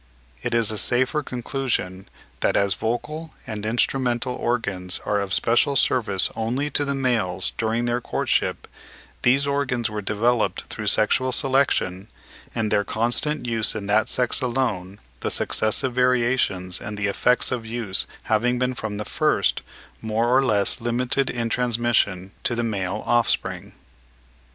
It is a safer conclusion that, as vocal and instrumental organs are of special service only to the males during their courtship, these organs were developed through sexual selection and their constant use in that sex alone—the successive variations and the effects of use having been from the first more or less limited in transmission to the male offspring.